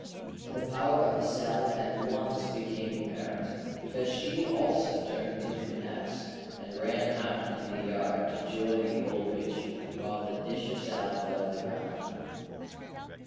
The power of the salad at once became apparent, because she also turned into an ass, and ran out into the yard to join the Old Witch, while the dish of salad fell to the ground.